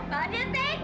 kapan dia akan datang